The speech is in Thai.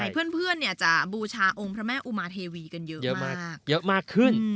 เพื่อนจะบูชาองค์พระแม่อุมาเทวีกันเยอะมาก